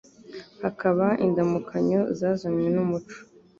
Hakaba n'indamukanyo zazanywe n'umuco